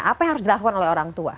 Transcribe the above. apa yang harus dilakukan oleh orang tua